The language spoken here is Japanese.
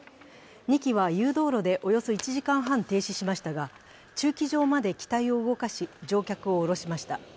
２機は誘導路でおよそ１時間半停止しましたが、駐機場まで機体を動かし乗客を降ろしました。